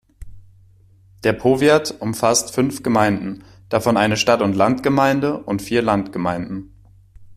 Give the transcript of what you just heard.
Der Powiat umfasst fünf Gemeinden, davon eine Stadt- und Landgemeinde und vier Landgemeinden.